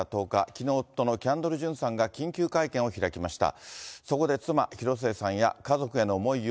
きのう、夫のキャンドル・ジュンさんが緊急会見を開きました。